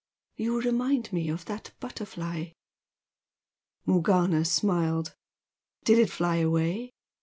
You remind me of that butterfly." Morgana smiled. "Did it fly away?"